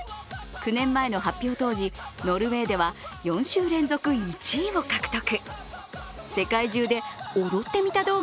９年前の発表当時、ノルウェーでは４週連続１位を獲得。